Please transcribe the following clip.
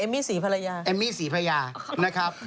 เอมมิสีภรรยาเอมมิสีภรรยานะครับ